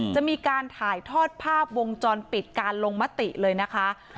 จะมีการถ่ายทอดภาพวงจรปิดการลงมติเลยนะคะ